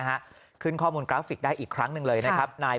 ฮะขึ้นข้อมูลกราฟิกได้อีกครั้งหนึ่งเลยนะครับนาย